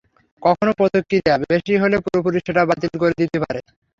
কখনো প্রতিক্রিয়া বেশি হলে পুরোপুরি সেটা বাতিল করে দিতে হতে পারে।